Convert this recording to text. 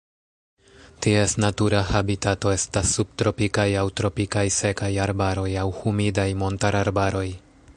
Ties natura habitato estas subtropikaj aŭ tropikaj sekaj arbaroj aŭ humidaj montararbaroj.